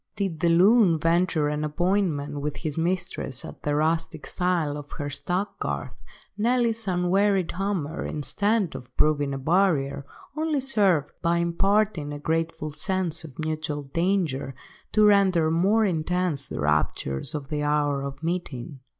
Did the loon venture an appointment with his mistress at the rustic style of the stack–garth, Nelly's unwearied hammer, instead of proving a barrier, only served, by imparting a grateful sense of mutual danger, to render more intense the raptures of the hour of meeting.